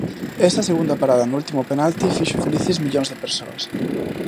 Esa segunda parada no último penalti fixo felices millóns de persoas.